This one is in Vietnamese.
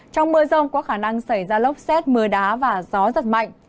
trong mưa rông có khả năng xảy ra lốc xét mưa đá và gió giật mạnh